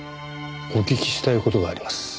お聞きしたい事があります。